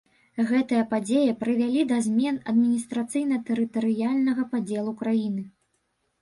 Гэтыя падзеі прывялі да змен адміністрацыйна-тэрытарыяльнага падзелу краіны.